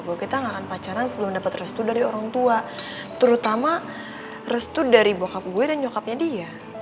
bahwa kita gak akan pacaran sebelum dapat restu dari orang tua terutama restu dari bokap gue dan nyokapnya dia